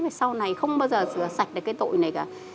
và sau này không bao giờ sửa sạch được cái tội này cả